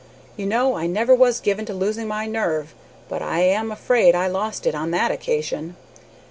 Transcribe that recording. You know I never was given to losing my nerve, but I am afraid I lost it on that occasion.